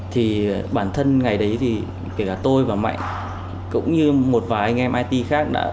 thì bản thân ngày đấy thì kể cả tôi và mạnh cũng như một vài anh em it khác đã